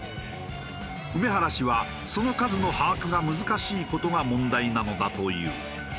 梅原氏はその数の把握が難しい事が問題なのだという。